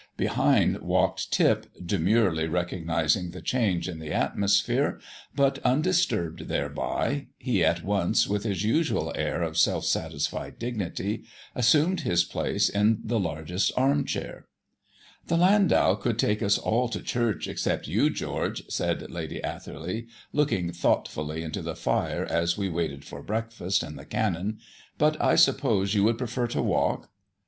Behind walked Tip, demurely recognising the change in the atmosphere, but, undisturbed thereby, he at once, with his usual air of self satisfied dignity, assumed his place in the largest arm chair. "The landau could take us all to church except you, George," said Lady Atherley, looking thoughtfully into the fire as we waited for breakfast and the Canon. "But I suppose you would prefer to walk?"